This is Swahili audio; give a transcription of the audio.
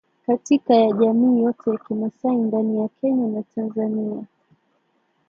Katika ya jamii yote ya kimasai ndani Kenya na Tanzania